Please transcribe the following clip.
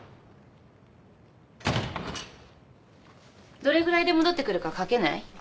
・どれぐらいで戻ってくるか賭けない？